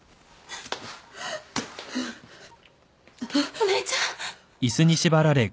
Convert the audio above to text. ・お姉ちゃん！？